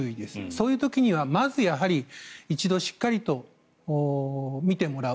そういう時にはまず一度しっかりと診てもらう。